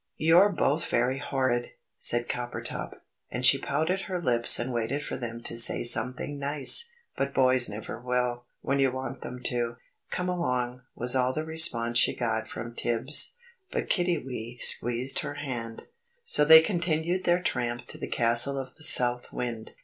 "You're both very horrid!" said Coppertop, and she pouted her lips and waited for them to say something nice. But boys never will, when you want them to. "Come along," was all the response she got from Tibbs, but Kiddiwee squeezed her hand. So they continued their tramp to the Castle of the South Wind.